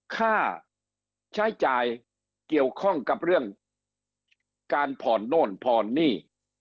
ค่าใช้จ่ายเกี่ยวข้องกับเรื่องการผ่อนโน่นผ่อนหนี้